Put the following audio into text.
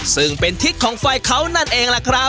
ซึ่งเป็นทิศของไฟเขานั่นเอง